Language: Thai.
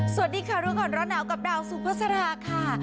สวัสดีค่ะรู้ก่อนร้อนหนาวกับดาวสุภาษาราค่ะ